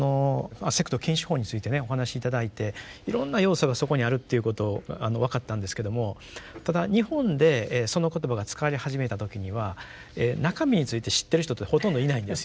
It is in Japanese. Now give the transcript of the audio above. お話し頂いていろんな要素がそこにあるっていうことが分かったんですけどもただ日本でその言葉が使われ始めた時には中身について知っている人ってほとんどいないんですよ。